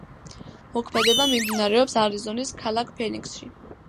მოქმედება მიმდინარეობს არიზონის ქალაქ ფენიქსში.